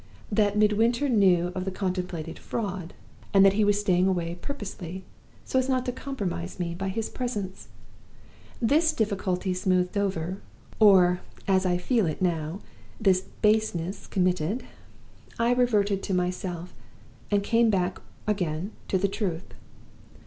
that Midwinter knew of the contemplated Fraud, and that he was staying away purposely, so as not to compromise me by his presence. This difficulty smoothed over or, as I feel it now, this baseness committed I reverted to myself, and came back again to the truth.